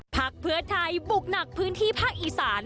พักเพื่อไทยบุกหนักพื้นที่ภาคอีสาน